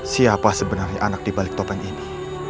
siapa sebenarnya anak dibalik topeng ini